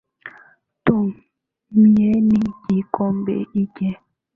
Tumieni kikombe hiki.